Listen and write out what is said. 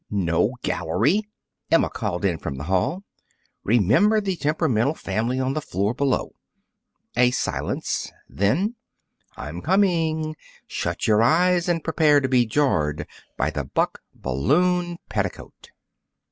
"No gallery!" Emma called in from the hall. "Remember the temperamental family on the floor below!" A silence then: "I'm coming. Shut your eyes and prepare to be jarred by the Buck balloon petticoat!"